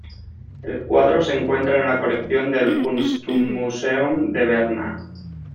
El cuadro se encuentra en la colección del Kunstmuseum de Berna.